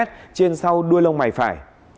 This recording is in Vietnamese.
trên sau đuôi lông mày phải